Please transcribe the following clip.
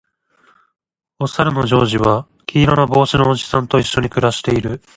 おさるのジョージは黄色の帽子のおじさんと一緒に暮らしている